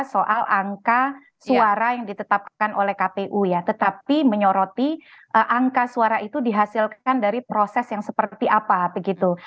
soal angka suara yang ditetapkan oleh kpu ya tetapi menyoroti angka suara itu dihasilkan dari proses yang seperti apa begitu